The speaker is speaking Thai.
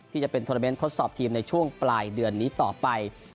จะเป็นโทรเมนต์ทดสอบทีมในช่วงปลายเดือนนี้ต่อไป